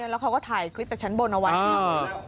แล้วเขาก็ถ่ายคลิปจากชั้นบนเอาไว้เนี่ย